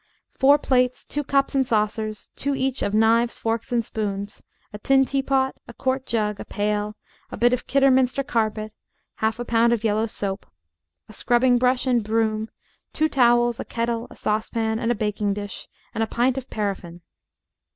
Four plates, two cups and saucers, two each of knives, forks, and spoons, a tin teapot, a quart jug, a pail, a bit of Kidderminster carpet, half a pound of yellow soap, a scrubbing brush and broom, two towels, a kettle, a saucepan and a baking dish, and a pint of paraffin.